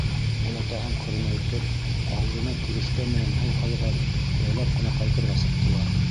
Олатаһын ҡырынайтып, ауыҙына көрөшкә менән һыу һалғас, яйлап ҡына ҡайтырға сыҡтылар.